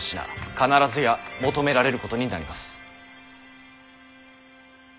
必ずや求められることになります。